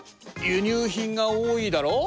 輸入品が多いだろう？